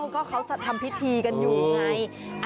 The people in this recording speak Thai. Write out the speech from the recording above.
ก็เขาจะทำพิธีกันอยู่ไง